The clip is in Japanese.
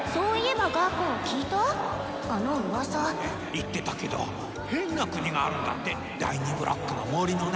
言ってたけど変な国があるんだって第２ブロックの森の中。